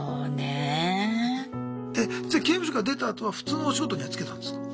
えじゃあ刑務所から出たあとは普通のお仕事には就けたんですか？